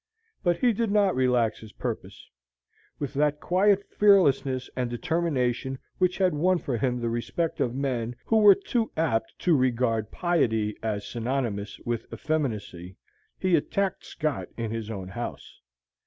But he did not relax his purpose. With that quiet fearlessness and determination which had won for him the respect of men who were too apt to regard piety as synonymous with effeminacy, he attacked Scott in his own house.